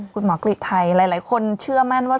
คุณหมอกฤทัยหลายคนเชื่อมั่นว่า